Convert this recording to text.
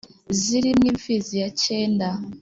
zíri mw'imfizi ya cyéndá